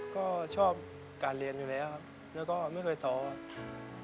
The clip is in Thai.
ก็ชอบการเรียนอยู่แล้วครับแล้วก็ไม่เคยต่อครับ